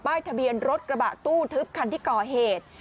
ทะเบียนรถกระบะตู้ทึบคันที่ก่อเหตุ